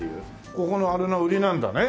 ここのあれの売りなんだね。